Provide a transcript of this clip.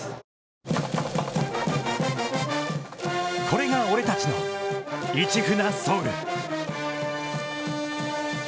これが俺たちの「市船ｓｏｕｌ」。